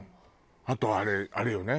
あとあれあれよね。